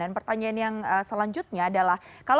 dan pertanyaan yang selanjutnya adalah